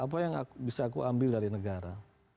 apa yang bisa aku ambil dari negara